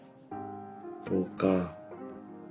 そうか。